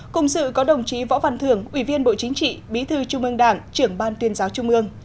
cùng sự có đồng chí võ văn thưởng ủy viên bộ chính trị bí thư trung ương đảng trưởng ban tuyên giáo trung ương